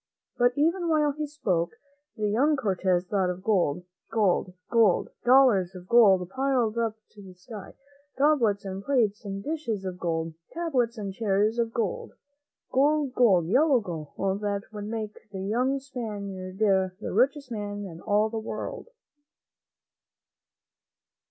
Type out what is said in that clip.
But even while he spoke, the young Cortez thought of gold, gold, gold — dollars of gold piled up to the sky; goblets and plates and dishes of gold; tables and chairs of gold. Gold, gold, yellow gold, that would make the young Spaniard the richest man in all the world.